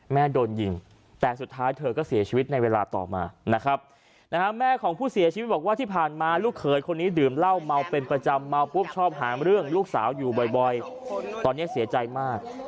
แม่โดนยิงแต่สุดท้ายเธอก็เสียชีวิตในเวลาต่อมานะครับแม่ของผู้เสียชีวิตบอกว่าที่ผ่านมาลูกเขยคนนี้ดื่มเหล้าเมาเป็นประจำเมาปุ๊บชอบหาเรื่องลูกสาวอยู่บ่อยตอนนี้เสียใจมาก